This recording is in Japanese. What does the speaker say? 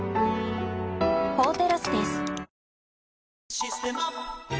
「システマ」